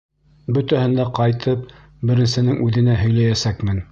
— Бөтәһен дә ҡайтып беренсенең үҙенә һөйләйәсәкмен.